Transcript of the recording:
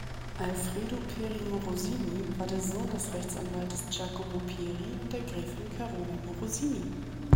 Alfredo Peri-Morosini war der Sohn des Rechtsanwaltes Giacomo Peri und der Gräfin Carola Morosini.